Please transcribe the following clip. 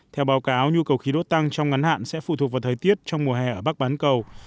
theo báo cáo nhu cầu khí đốt tăng trong ngắn hạn sẽ phụ thuộc vào thời tiết trong mùa hè ở bắc bán cầu